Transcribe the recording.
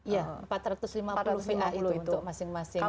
ya empat ratus lima puluh va itu untuk masing masing